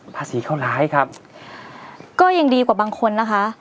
ภาษีเขาร้ายครับก็ยังดีกว่าบางคนนะคะ